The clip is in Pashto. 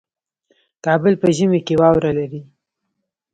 کابل په ژمي کې واوره لري